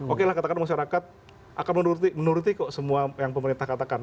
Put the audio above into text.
oke lah katakan masyarakat akan menuruti kok semua yang pemerintah katakan